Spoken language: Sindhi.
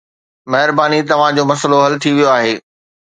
مهرباني، توهان جو مسئلو حل ٿي ويو آهي.